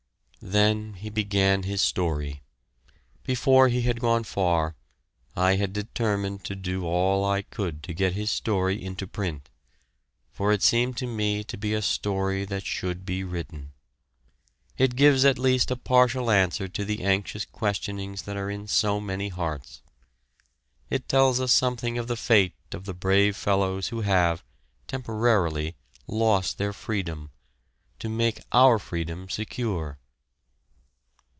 Then he began his story. Before he had gone far, I had determined to do all I could to get his story into print, for it seemed to me to be a story that should be written. It gives at least a partial answer to the anxious questionings that are in so many hearts. It tells us something of the fate of the brave fellows who have, temporarily, lost their freedom to make our freedom secure!